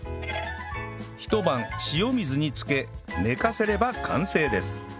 一晩塩水に浸け寝かせれば完成です